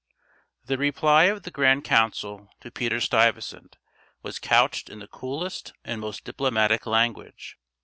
The reply of the grand council to Peter Stuyvesant was couched in the coolest and most diplomatic language.